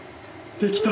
できた。